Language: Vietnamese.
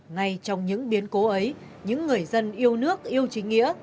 ngay trong những biến cố ấy những người dân yêu nước yêu chính nghĩa